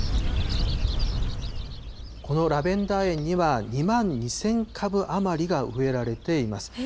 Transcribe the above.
このラベンダー園には２万２０００株余りが植えられています。